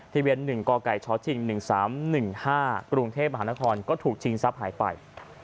ทะเบียน๑กกชชิง๑๓๑๕กรุงเทพมหานครก็ถูกชิงทรัพย์หายไป